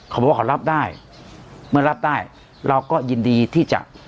เขาบอกว่าเขารับได้เมื่อรับได้เราก็ยินดีที่จะ